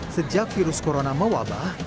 sejak virus corona mewabah